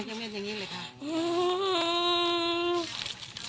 อย่างงี้เลยค่ะ